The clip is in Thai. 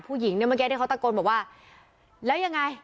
ผู้หญิงเนี่ยเมื่อกี้ที่เขาตะโกนบอกว่าแล้วยังไง